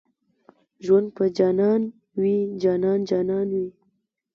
ژوند په جانان وي جانان جانان وي